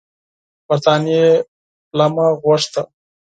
برټانیې پلمه غوښته.